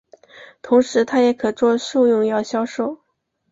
同时它也可作兽用药销售。